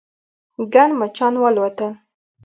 ګڼ مچان والوتل.